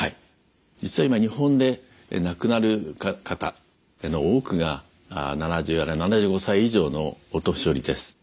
実際今日本で亡くなる方の多くが７０あるいは７５歳以上のお年寄りです。